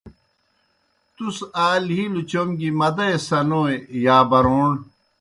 تُس آ لِھیلوْ چوْم گیْ مدَئی سنوئے برَوݨ۔